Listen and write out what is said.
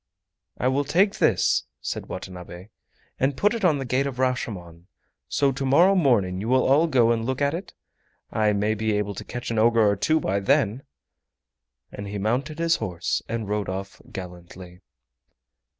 "I will take this," said Watanabe, "and put it on the Gate of Rashomon, so to morrow morning will you all go and look at it? I may be able to catch an ogre or two by then!" and he mounted his horse and rode off gallantly.